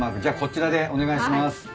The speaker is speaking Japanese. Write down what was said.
じゃこちらでお願いします。